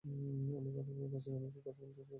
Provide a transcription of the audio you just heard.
উনি কথা ভুলে গেছেন, এমনকি কথা বলতেও ভুলে গেছেন।